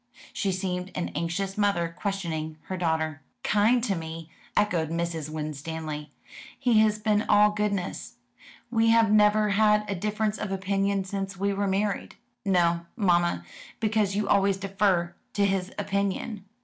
She seemed an anxious mother questioning her daughter. "Kind to me," echoed Mrs. Winstanley. "He has been all goodness. We have never had a difference of opinion since we were married." "No, mamma, because you always defer to his opinion."